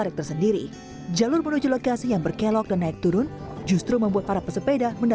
dan beristirahat untuk larenye ministadtona